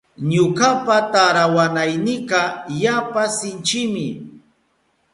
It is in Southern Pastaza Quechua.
Ñukapa tarawanaynika yapa sinchimi.